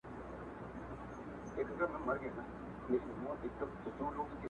لمونځ پر وکړه